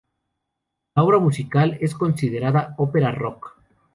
La obra musical es considerada ópera rock.